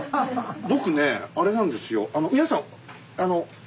僕ねあれなんですよ。